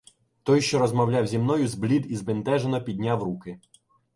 Той, що розмовляв зі мною, зблід і збентежено підняв руки.